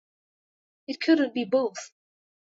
It couldn't be both.